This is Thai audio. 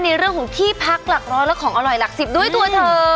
ในเรื่องของที่พักหลักร้อยและของอร่อยหลัก๑๐ด้วยตัวเธอ